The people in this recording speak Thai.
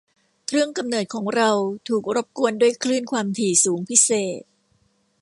เครื่องกำเนิดของเราถูกรบกวนด้วยคลื่นความถี่สูงพิเศษ